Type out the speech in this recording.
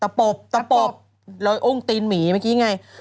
ปบตะปบรอยอ้งตีนหมีเมื่อกี้ไง